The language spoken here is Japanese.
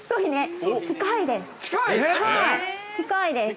◆近いです。